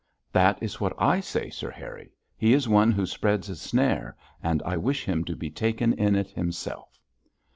'That is what I say, Sir Harry. He is one who spreads a snare, and I wish him to be taken in it himself.'